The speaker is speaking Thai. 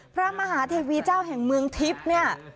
พระมหาเทวีเจ้าแห่งเมืองทิพย์เนี่ย